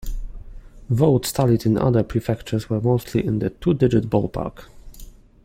Votes tallied in other prefectures were mostly in the two-digit ballpark.